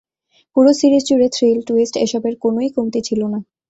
পুরো সিরিজ জুড়ে thrill, twist এসবের কোনোই কমতি ছিল না।